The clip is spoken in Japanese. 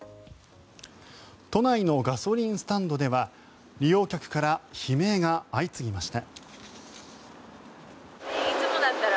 都内のガソリンスタンドでは利用客から悲鳴が相次ぎました。